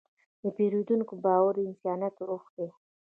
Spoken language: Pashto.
د پیرودونکي باور د انسانیت روح دی.